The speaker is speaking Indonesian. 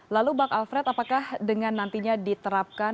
lalu bang alfred apakah dengan nantinya diterapkan